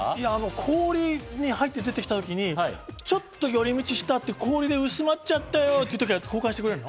氷が入って出てきた時に、ちょっと寄り道したって、氷で薄まっちゃうよというときは交換してくれるの？